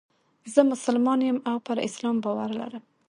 زه مسلمان یم او پر اسلام باور لرم.